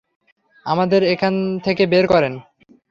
আমাদের এখান থেকে বের করেন।